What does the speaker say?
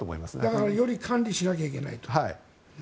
だからより管理しなければいけないと。